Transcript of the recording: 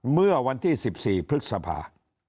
เมื่อวันที่๑๔พฤษภา